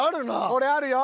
これあるよ。